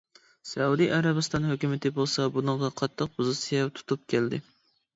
سەئۇدى ئەرەبىستان ھۆكۈمىتى بولسا بۇنىڭغا قاتتىق پوزىتسىيە تۇتۇپ كەلدى.